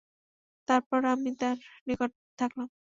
তারপর আমি তার নিকট থাকলাম।